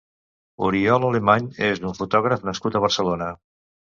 Oriol Alamany és un fotògraf nascut a Barcelona.